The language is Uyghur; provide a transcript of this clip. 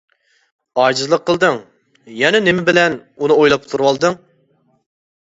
ئاجىزلىق قىلدىڭ، يەنە نېمە بىلەن ئۇنى ئويلاپ تۇرۇۋالدىڭ؟ !